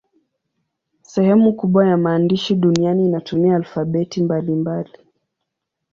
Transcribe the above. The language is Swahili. Sehemu kubwa ya maandishi duniani inatumia alfabeti mbalimbali.